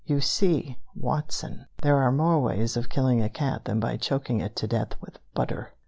You see, Watson, there are more ways of killing a cat than by choking it to death with butter!"